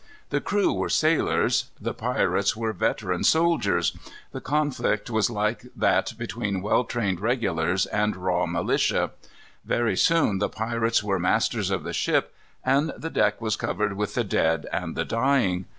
The crew were sailors. The pirates were veteran soldiers. The conflict was like that between well trained regulars and raw militia. Very soon the pirates were masters of the ship, and the deck was covered with the dead and the dying.